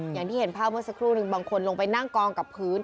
อย่างที่เห็นภาพเมื่อสักครู่หนึ่งบางคนลงไปนั่งกองกับพื้น